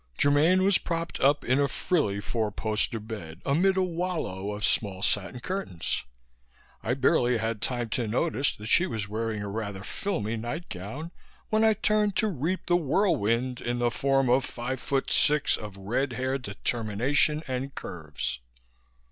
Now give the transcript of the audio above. Germaine was propped up in a frilly four poster bed amid a wallow of small satin cushions. I barely had time to notice that she was wearing a rather filmy night gown, when I turned to reap the whirl wind in the form of five foot six of red haired determination and curves.